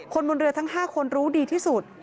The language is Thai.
คนบนเรือทั้ง๕คนรู้ดีที่สุด